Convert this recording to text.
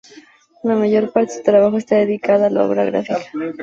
La mayor parte de su trabajo está dedicado a la obra gráfica.